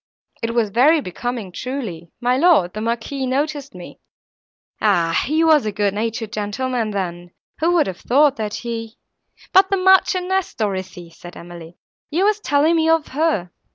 It was very becoming truly;—my lord, the Marquis, noticed me. Ah! he was a good natured gentleman then—who would have thought that he—" "But the Marchioness, Dorothée," said Emily, "you were telling me of her."